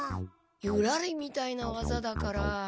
「ユラリ」みたいなわざだから。